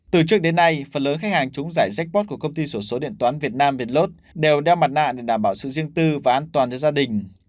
từ trước đến nay phần lớn khách hàng trúng giải jackpot của công ty số số điện toán việt nam vé lốt đều đeo mặt nạ để đảm bảo sự riêng tư và an toàn cho gia đình